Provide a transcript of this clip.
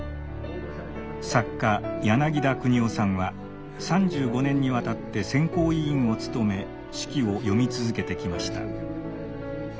作家柳田邦男さんは３５年にわたって選考委員を務め手記を読み続けてきました。